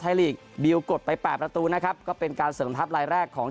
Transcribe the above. ลีกบิวกดไปแปดประตูนะครับก็เป็นการเสริมทัพลายแรกของ